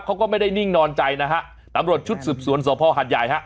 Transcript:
เขาก็ไม่ได้นิ่งนอนใจนะฮะตำรวจชุดสืบสวนสภหัดใหญ่ฮะ